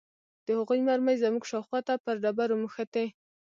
د هغوى مرمۍ زموږ شاوخوا ته پر ډبرو مښتې.